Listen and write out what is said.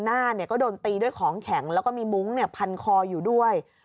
หน้าก็โดนตีด้วยของแข็งแล้วก็มีมุ้งพันคออยู่ด้วย